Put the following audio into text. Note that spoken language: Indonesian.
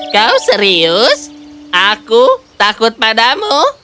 kau serius aku takut padamu